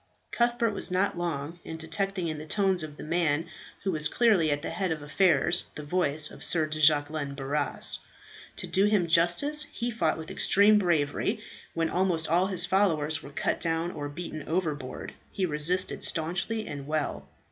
Cuthbert was not long in detecting in the tones of the man who was clearly at the head of affairs the voice of Sir de Jacquelin Barras. To do him justice he fought with extreme bravery, and when almost all his followers were cut down or beaten overboard, he resisted staunchly and well.